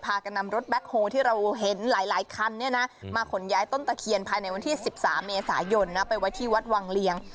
กันนำรถแบ็คโฮที่เราเห็นหลายคันมาขนย้ายต้นตะเคียนภายในวันที่๑๓เมษายนไปไว้ที่วัดวังเลียง